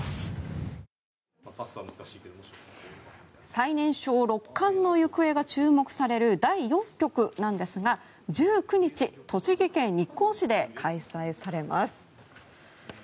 最年少六冠の行方が注目される第４局なんですが１９日、栃木県日光市で開催されます。